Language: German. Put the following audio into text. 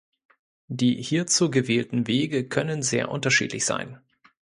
Die hierzu gewählten Wege können sehr unterschiedlich sein.